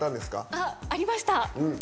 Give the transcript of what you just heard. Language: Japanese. ありました。